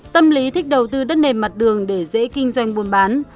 tâm lý thích đầu tư đất nền mặt đường để dễ kinh doanh buôn bán